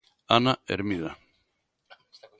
Ana Ermida.